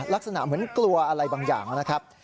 ลักษณะเหมือนกลัวอะไรบางอย่างนะครับ